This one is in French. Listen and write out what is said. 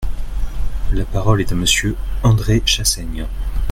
La parole est à Monsieur André Chassaigne.